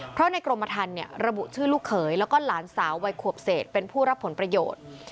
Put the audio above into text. เพราะในกรมธรรมระบุชื่อลูกเขยแล้วก็หลานสาววัยขวบเศษเป็นผู้รับผลประโยชน์